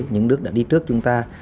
những nước đã đi trước chúng ta